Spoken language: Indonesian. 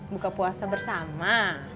buka puasa bersama